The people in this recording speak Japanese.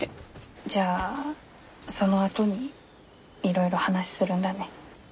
じゃあそのあとにいろいろ話するんだね。